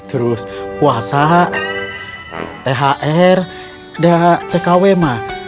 terus puasa thr dan tkw mah